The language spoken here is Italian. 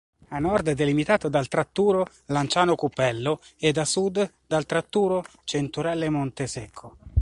A nord è delimitato dal tratturo Lanciano-Cupello ed a sud dal tratturo Centurelle-Montesecco.